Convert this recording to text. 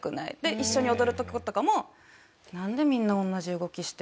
一緒に踊る時とかも「なんでみんな同じ動きしてるんだろう？」。